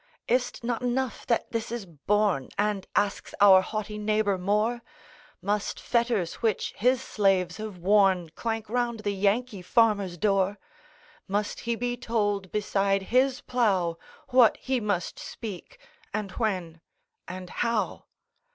Is't not enough that this is borne? And asks our haughty neighbor more? Must fetters which his slaves have worn Clank round the Yankee farmer's door? Must he be told, beside his plough, What he must speak, and when, and how?